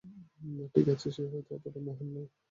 ঠিক আছে, সে হয়তো অতটা মহান নয়।